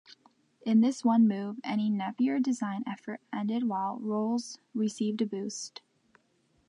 In this one move any Napier design effort ended while Rolls' received a boost.